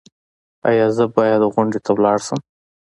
ایا زه باید غونډې ته لاړ شم؟